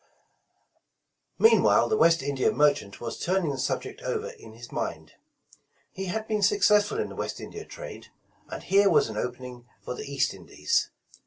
Meanwhile the West India merchant was turning the subject over in his mind. He had been successful in the West India trade, and here was an opening for the Bast Indies.